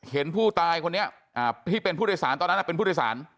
เห็นผู้ตายคนนี้ที่เป็นผู้โดยสารตอนนั้นเป็นผู้โดยสาร